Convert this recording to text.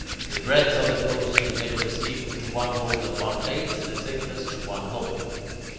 The breadth of the post in the middle is equal to one hole and one eighth, the thickness, to one hole.